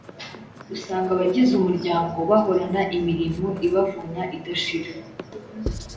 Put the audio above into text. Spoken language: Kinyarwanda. Usanga abagize umuryango bahorana imirimo ibavuna idashira.